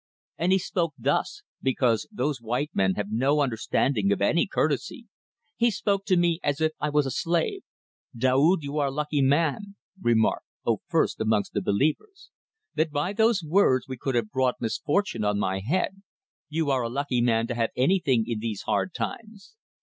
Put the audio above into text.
And he spoke thus because those white men have no understanding of any courtesy he spoke to me as if I was a slave: 'Daoud, you are a lucky man' remark, O First amongst the Believers! that by those words he could have brought misfortune on my head 'you are a lucky man to have anything in these hard times.